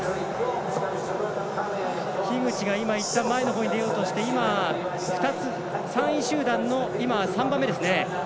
樋口が前のほうに出ようとして今、３位集団の３番目です。